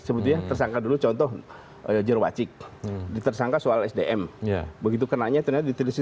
sebetulnya tersangka dulu contoh jerwacik detersangka soal sdm begitu kenanya ternyata ditulis tulisnya pengguna sdm